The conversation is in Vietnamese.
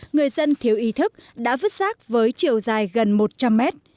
người dân thiếu ý thức đã vứt rác với chiều dài gần một trăm linh mét